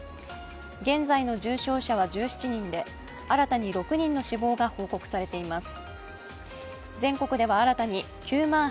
現在の重症者は１７人で、新たに６人の死亡が報告されています。